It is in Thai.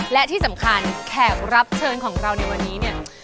และที่สำคัญแขกรับเชิญของเราในวันนี้เนี่ย